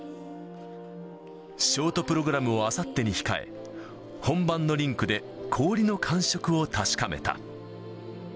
ショートプログラムをあさってに控え、本番のリンクで氷の感触を確かめた。